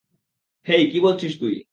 হেই, কী বলছিস তুই?